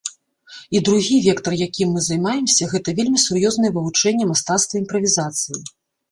І другі вектар, якім мы займаемся,— гэта вельмі сур'ёзнае вывучэнне мастацтва імправізацыі.